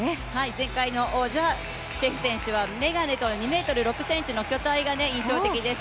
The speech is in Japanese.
前回の王者、チェフ選手は眼鏡と２ｍ０６ｃｍの巨体が特徴的です。